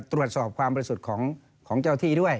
ตรวจสอบความบริสุทธิ์ของเจ้าที่ด้วย